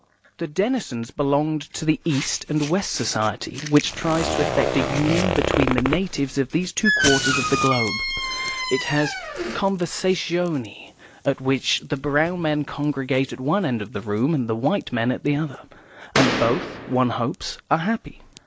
The Denisons belonged to the East and West Society, which tries to effect a union between the natives of these two quarters of the globe. It has conversazioni, at which the brown men congregate at one end of the room and the white men at the other, and both, one hopes, are happy.